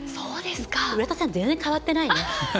浦田さん全然変わってないね。